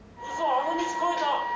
あの道越えた？」